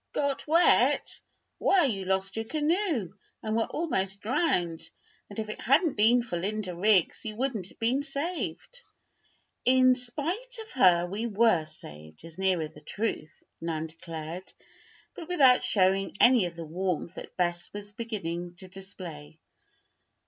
"Got wet! Why, you lost your canoe, and were almost drowned, and if it hadn't been for Linda Riggs, you wouldn't have been saved!" "In spite of her we were saved, is nearer the truth," Nan declared, but without showing any of the warmth that Bess was beginning to display.